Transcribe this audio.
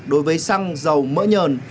đối với xăng dầu mỡ nhờn